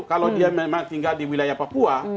kalau dia memang tinggal di wilayah papua